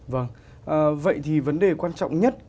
vâng vậy thì vấn đề quan trọng nhất